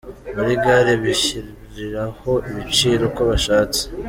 Muri Gare bishyiriraho ibiciro uko bashatse